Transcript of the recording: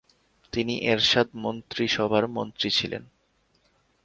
তিনি এরশাদ মন্ত্রীসভার মন্ত্রী ছিলেন।